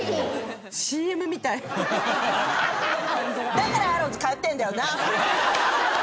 だからアローズ通ってんだよな！